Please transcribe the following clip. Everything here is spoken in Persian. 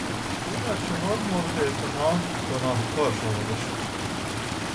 او در چهار مورد اتهام گناهکار شمرده شد.